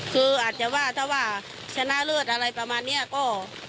คืออาจจะว่าถ้าว่าชนะเลิศอะไรประมาณนี้ก็